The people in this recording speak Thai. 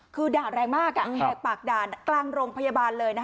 แหกปากด่านกลางโรงพยาบาล